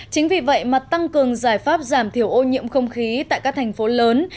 chính vì vậy mà tăng cường giải pháp giảm thiểu ô nhiễm không khí tại các thành phố lớn